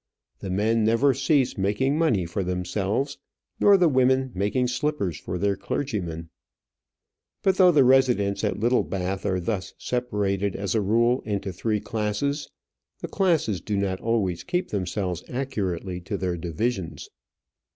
The men never cease making money for themselves, nor the women making slippers for their clergymen. But though the residents at Littlebath are thus separated as a rule into three classes, the classes do not always keep themselves accurately to their divisions.